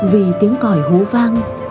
vì tiếng còi hú vang